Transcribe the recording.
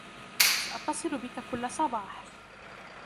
سأتصل بِكَ كُل صباح.